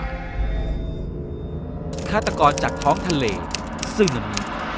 ฆาตกรจากท้องทะเลซึนามิ